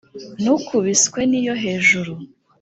Ni ukubiswe n’iyo hejuru